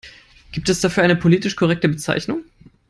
Gibt es dafür eine politisch korrekte Bezeichnung?